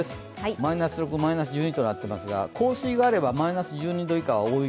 マイナス６、マイナス１２となっていますが降水があればマイナス１２度以下は大雪